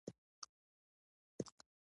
د مرستو درول غیر عملي دي.